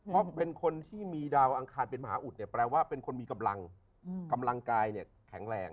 เพราะเป็นคนที่มีดาวอังคารเป็นมหาอุดเนี่ยแปลว่าเป็นคนมีกำลังกายเนี่ยแข็งแรง